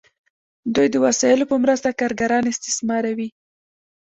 دوی د وسایلو په مرسته کارګران استثماروي.